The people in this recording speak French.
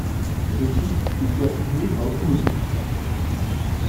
Le titre ne fut attribué à aucune équipe.